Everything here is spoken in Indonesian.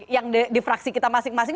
yang di fraksi kita masing masing